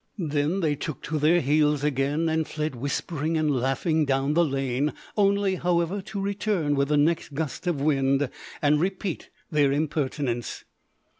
Then they took to their heels again and fled whispering and laughing down the lane, only, however, to return with the next gust of wind and repeat their impertinence.